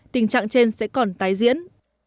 tình trạng trên sẽ còn tái diễn